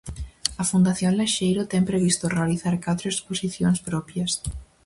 A Fundación Laxeiro ten previsto realizar catro exposicións propias.